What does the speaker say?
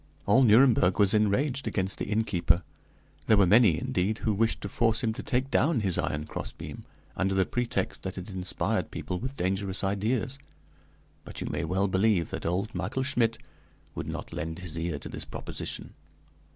"All Nuremberg was enraged against the innkeeper. There were many, indeed, who wished to force him to take down his iron crossbeam, under the pretext that it inspired people with dangerous ideas; but you may well believe that old Michael Schmidt would not lend his ear to this proposition.